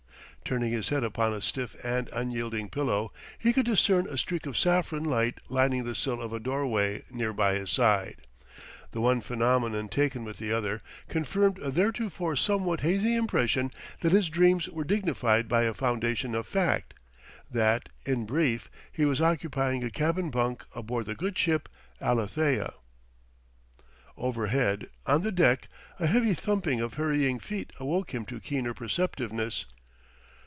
Turning his head upon a stiff and unyielding pillow, he could discern a streak of saffron light lining the sill of a doorway, near by his side. The one phenomenon taken with the other confirmed a theretofore somewhat hazy impression that his dreams were dignified by a foundation of fact; that, in brief, he was occupying a cabin bunk aboard the good ship Alethea. Overhead, on the deck, a heavy thumping of hurrying feet awoke him to keener perceptiveness.